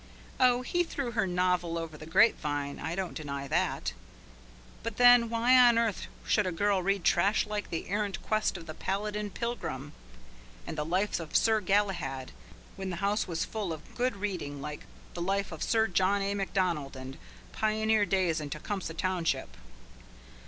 Oh, he threw her novel over the grape vine, I don't deny that, but then why on earth should a girl read trash like the Errant Quest of the Palladin Pilgrim, and the Life of Sir Galahad, when the house was full of good reading like The Life of Sir John A. Macdonald, and Pioneer Days in Tecumseh Township?